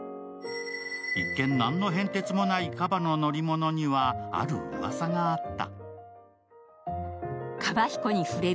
一見何の変哲もないかばの乗り物にはあるうわさがあった。